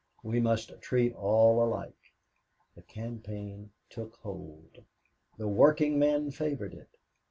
We must treat all alike. The campaign took hold. The workingmen favored it.